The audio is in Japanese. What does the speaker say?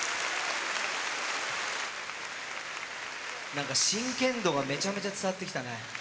なんか真剣度がめちゃめちゃ伝わってきたね。